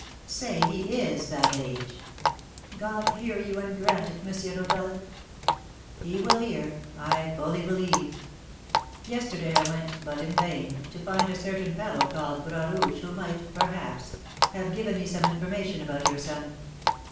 "Say he is that age " "God hear you, and grant it, M. Rodolph." "He will hear, I fully believe. Yesterday I went (but in vain) to find a certain fellow called Bras Rouge who might, perhaps, have given me some information about your son.